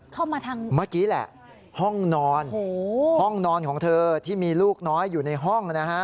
เข้ามาทางใช่ฮ่องนอนฮ่องนอนของเธอที่มีลูกน้อยอยู่ในห้อง